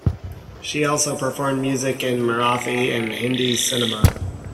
She also performed music in Marathi and Hindi cinema.